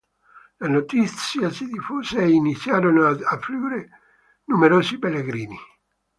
La notizia si diffuse e iniziarono ad affluire numerosi pellegrini.